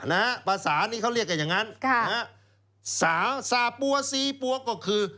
นะฮะภาษานี้เขาเรียกกันอย่างงั้นค่ะนะฮะสาวสาปัวซีปัวก็คือ